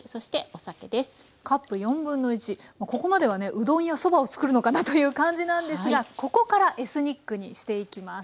うどんやそばを作るのかなという感じなんですがここからエスニックにしていきます。